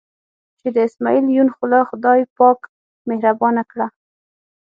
چې د اسمعیل یون خوله خدای پاک مهربانه کړه.